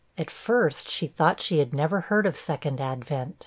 At first she thought she had never heard of 'Second Advent.'